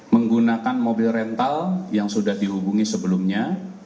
menggunakan mobil rental yang sudah dihubungi sebelumnya